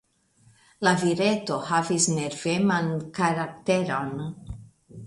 La vireto havis nerveman karakteron.